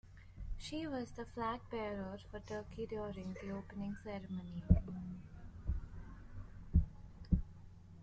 She was the flag bearer for Turkey during the opening ceremony.